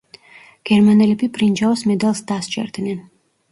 გერმანელები ბრინჯაოს მედალს დასჯერდნენ.